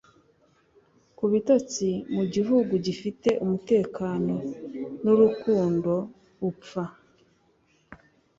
kubitotsi mugihugu gifite umutekano nurukundo upfa